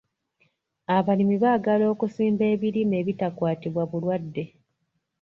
Abalimi baagala okusimba ebirime ebitakwatibwa bulwadde.